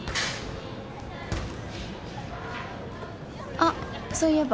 あっそういえば。